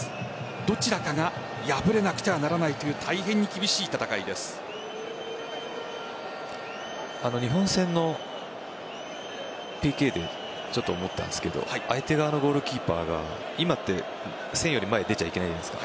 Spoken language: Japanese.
どちらかが敗れなくてはならないという日本戦のＰＫで思ったんですけど相手側のゴールキーパーが今って線より前に出ちゃいけないじゃないですか。